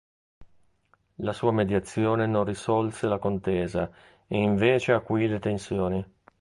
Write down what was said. La sua mediazione non risolse la contesa e invece acuì le tensioni.